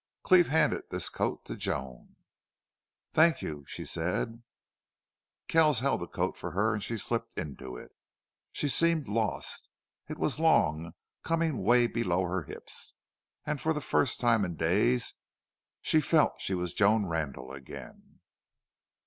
Cleve handed this coat to Joan. "Thank you," she said. Kells held the coat for her and she slipped into it. She seemed lost. It was long, coming way below her hips, and for the first time in days she felt she was Joan Randle again.